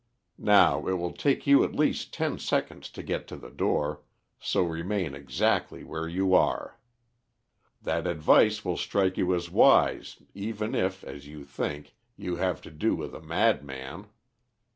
Now it will take you at least ten seconds to get to the door, so remain exactly where you are. That advice will strike you as wise, even if, as you think, you have to do with a madman.